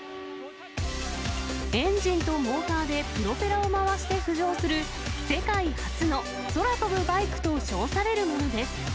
エンジンとモーターでプロペラを回して浮上する、世界初の空飛ぶバイクと称されるものです。